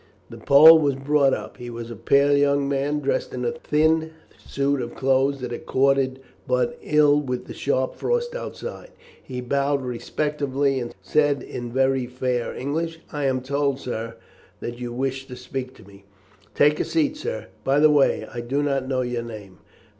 The Pole was brought up. He was a pale young man, dressed in a thin suit of clothes that accorded but ill with the sharp frost outside. He bowed respectfully, and said in very fair English, "I am told, sir, that you wish to speak to me." "Take a seat, sir. By the way, I do not know your name."